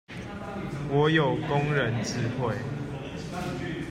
我有工人智慧